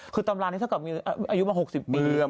คือตำรานี้เท่ากับมีอายุมา๖๐ปี